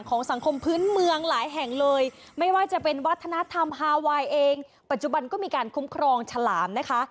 สังคมพื้นเมืองหลายแห่งเลยไม่ว่าจะเป็นวัฒนธรรมฮาไวน์เองปัจจุบันก็มีการคุ้มครองฉลามนะคะ